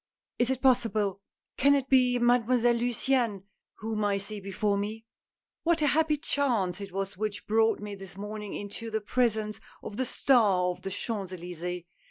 Is it possible ! Can it be Made moiselle Luciane whom I see before me ? What a happy chance it was which brought me this morning into the presence of the star of the Champs Elysees